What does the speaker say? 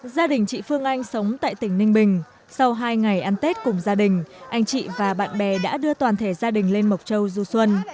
gia đình chị phương anh sống tại tỉnh ninh bình sau hai ngày ăn tết cùng gia đình anh chị và bạn bè đã đưa toàn thể gia đình lên mộc châu du xuân